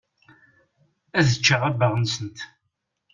Ad ččeɣ abbaɣ-nsent.